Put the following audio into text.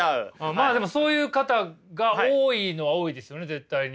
まあでもそういう方が多いのは多いですよね絶対に。